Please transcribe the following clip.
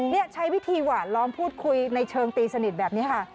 นี่ใช้วิธีหวานล้อมพูดคุยในเชิงตีสนิทแบบนี้ค่ะ